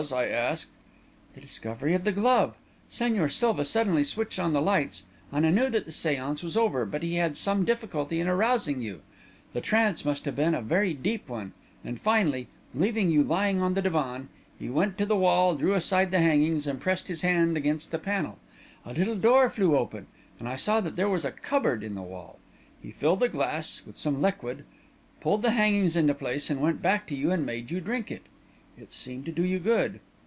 I asked. "The discovery of the glove. Señor Silva suddenly switched on the lights, and I knew that the séance was over; but he had some difficulty in arousing you the trance must have been a very deep one and finally, leaving you lying on the divan, he went to the wall, drew aside the hangings, and pressed his hand against a panel. A little door flew open, and I saw that there was a cupboard in the wall. He filled a glass with some liquid, pulled the hangings into place, and went back to you and made you drink it. It seemed to do you good."